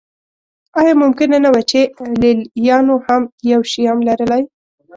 ایا ممکنه نه وه چې لېلیانو هم یو شیام لرلی.